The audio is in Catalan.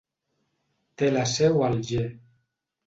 Té la seu a Alger.